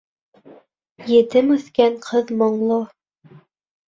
Етем үҫкән ҡыҙ моңло.